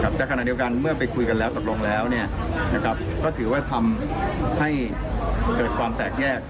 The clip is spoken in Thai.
แต่ขณะเดียวกันเมื่อไปคุยกันแล้วตกลงแล้วเนี่ยนะครับก็ถือว่าทำให้เกิดความแตกแยก